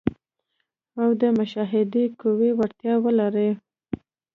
او د مشاهدې قوي وړتیا ولري.